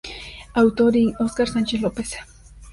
Autor:Ing. Oscar Sánchez López.